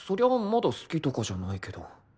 まだ好きとかじゃないけど